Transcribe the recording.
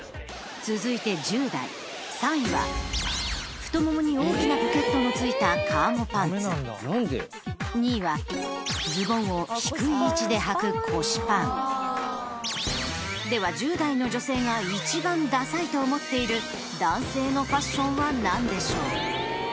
続いて１０代３位は太ももに大きなポケットの付いた２位はズボンを低い位置ではくでは１０代の女性が一番ダサいと思っている男性のファッションは何でしょう？